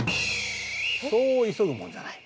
そう急ぐもんじゃない。